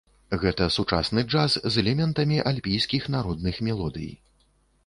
Гэта сучасны джаз з элементамі альпійскіх народных мелодый.